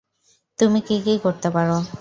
তুমি কী কী করতে পারো?